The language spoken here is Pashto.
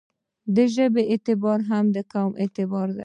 دژبې اعتبار دقوم اعتبار دی.